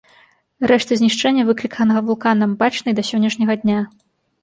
Рэшты знішчэння, выкліканага вулканам, бачны і да сённяшняга дня.